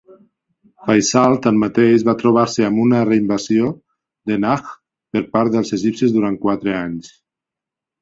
Faisal, tanmateix, va trobar-se amb una re-invasió de Najd per part dels egipcis durant quatre anys.